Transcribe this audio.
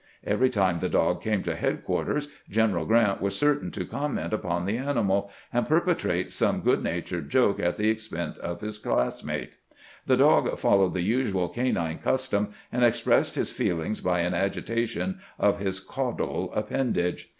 Every time the dog came to headquarters, General Grant was certain to comment upon the animal, and perpetrate some good natured joke at the expense of his classmate. The dog followed the usual canine custom, and expressed his feelings by an agitation of his caudal appendage.